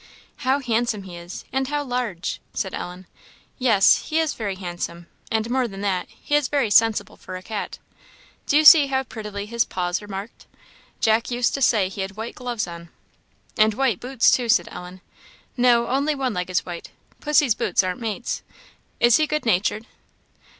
"How handsome he is! and how large!" said Ellen. "Yes, he is very handsome; and more than that, he is very sensible for a cat. Do you see how prettily his paws are marked? Jack used to say he had white gloves on." "And white boots, too," said Ellen. "No, only one leg is white; pussy's boots aren't mates. Is he good natured?"